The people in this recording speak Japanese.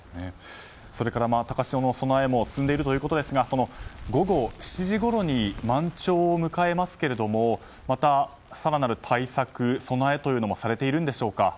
それから高潮の備えも進んでいるということですが午後７時ごろに満潮を迎えますけどまた更なる対策、備えというのもされているんでしょうか。